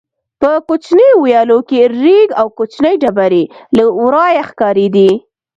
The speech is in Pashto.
په کوچنیو ویالو کې رېګ او کوچنۍ ډبرې له ورایه ښکارېدې.